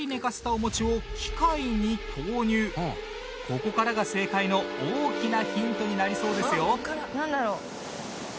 ここからが正解の大きなヒントになりそうですよ。